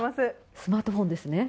スマートフォンですね。